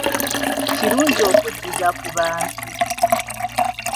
Kirungi okuddiza ku bantu.